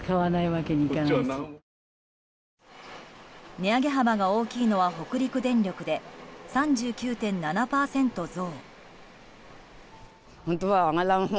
値上げ幅が大きいのは北陸電力で、３９．７％増。